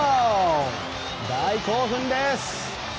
大興奮です。